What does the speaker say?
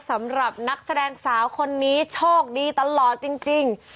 สำหรับนักแสดงสาวคนนี้โชคดีตลอดจริง